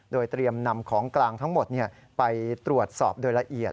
โดยเตรียมนำของกลางทั้งหมดไปตรวจสอบโดยละเอียด